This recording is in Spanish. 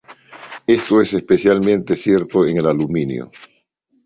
Esto es especialmente cierto en el aluminio.